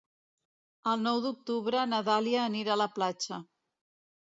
El nou d'octubre na Dàlia anirà a la platja.